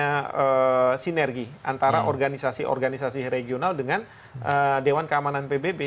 bahwa perlu adanya sinergi antara organisasi organisasi regional dengan dewan keamanan pbb